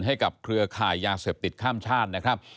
เครือข่ายยาเสพติดข้ามชาตินะครับ